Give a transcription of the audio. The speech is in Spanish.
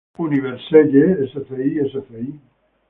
Universelle Sci., Sci.